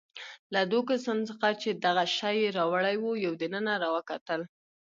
له دوو کسانو څخه چې دغه شی يې راوړی وو، یو دننه راوکتل.